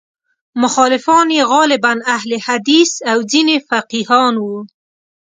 مخالفان یې غالباً اهل حدیث او ځینې فقیهان وو.